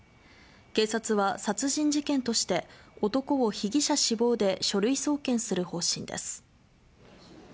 警察は、殺人事件として男を被疑者死亡で書類送検する方針です。